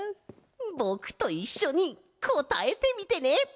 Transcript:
ぼくといっしょにこたえてみてね！